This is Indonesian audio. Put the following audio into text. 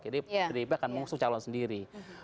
jadi pdip akan mengusung calon sendiri